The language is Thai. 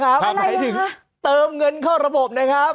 อะไรอย่างนี้ครับหมายถึงเติมเงินเข้าระบบนะครับ